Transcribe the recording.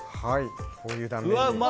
こういう断面に。